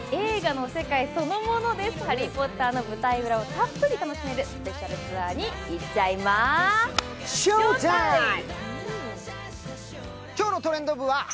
まさに映画の世界そのものです、「ハリー・ポッター」の舞台裏をたっぷり楽しめるスペシャルツアーに行っちゃいまＳＨＯＷＴＩＭＥ！